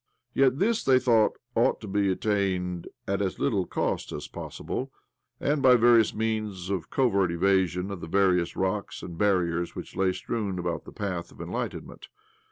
iYet this, they thought, ought to be attained at as little cost as possible, and by means of a covert evasion of the various rocks and barriers which lay strewn about the path of enlightenment.